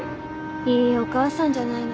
いいお母さんじゃないの。